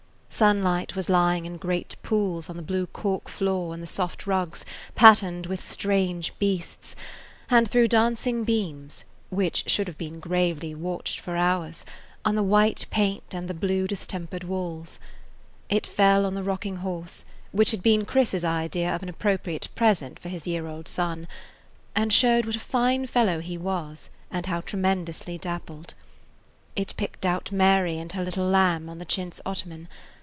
Sunlight was lying in great pools on the blue cork floor and the soft rugs, patterned with strange beasts, and threw dancing beams, which should have been gravely watched for hours, on the white paint and the blue distempered walls. It fell on the rocking horse, which had been Chris's idea of an appropriate present for his year old son, and showed what a fine fellow he was and how tremendously dappled; it picked out Mary and her little lamb on the chintz ottoman.